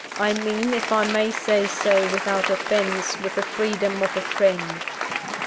I mean, if I may say so without offence, with the freedom of a friend."